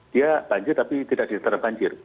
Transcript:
dia banjir tapi tidak di dataran banjir